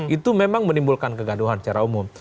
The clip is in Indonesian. itu memang menimbulkan kegaduhan secara umum